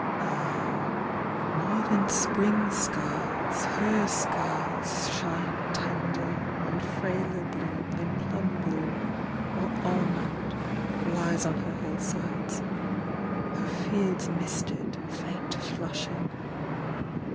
Ah, more than Spring s skies her skies shine Tender, and frailer Bloom than plum bloom or almond Lies on her hillsides, her fields Misted, faint flushing.